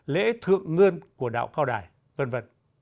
lễ thượng ngươn của đạo cao đài v v